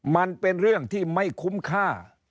มันเป็นเรื่องที่ไม่คุ้มค่า